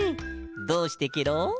どうしてケロ？